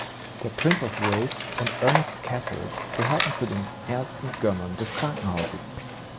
Der Prince of Wales und Ernest Cassel gehörten zu den ersten Gönnern des Krankenhauses.